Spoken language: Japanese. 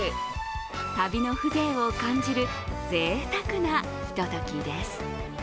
旅の風情を感じるぜいたくなひとときです。